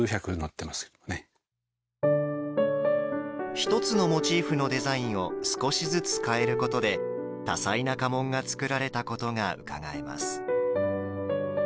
一つのモチーフのデザインを少しずつ変えることで多彩な家紋が作られたことがうかがえます。